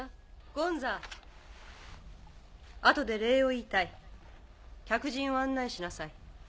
・ゴンザ・後で礼を言いたい客人を案内しなさい。